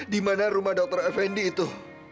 di mana rumah dokter fnd itu